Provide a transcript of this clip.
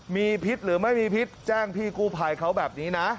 มีพิษหรือไม่มีพิษแจ้งพี่กู้ภัยเขาแบบนี้นะ